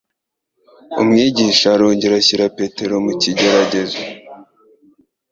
Umwigisha arongera ashyira Petero mu kigeragezo